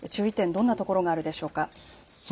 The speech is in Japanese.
どんな所があるでしょうか。